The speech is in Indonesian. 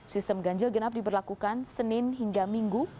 sistem ganjil genap diberlakukan senin hingga minggu